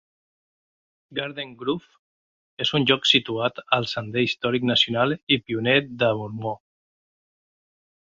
Garden Grove és un lloc situat al Sender Històric Nacional i Pioner de Mormó.